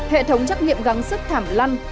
hệ thống chắc nghiệm gắn sức thảm lăn